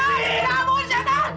setan setan setan